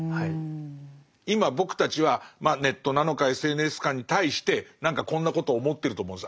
今僕たちはまあネットなのかＳＮＳかに対して何かこんなことを思ってると思うんです。